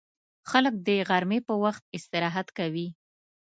خلک د غرمې پر وخت استراحت کوي